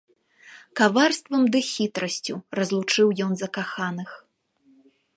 Каварствам ды хітрасцю разлучыў ён закаханых.